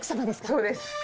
そうです。